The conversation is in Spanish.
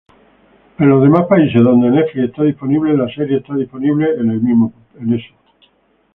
En los demás países donde Netflix está disponible, la serie está disponible en Netflix